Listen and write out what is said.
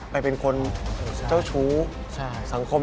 เป็นคนเจ้าชู้สังคม